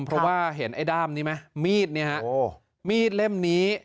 เพราะว่าเห็นไอ้ด้ามนี้ไหมมีดเนี่ยฮะมีดเล่มนี้